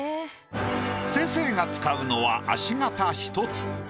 先生が使うのは足形１つ。